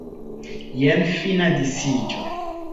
Jen fina disiĝo.